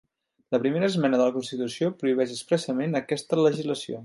La primera esmena de la Constitució prohibeix expressament aquesta legislació.